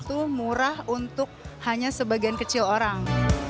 itu murah untuk hanya sebagian kecil orang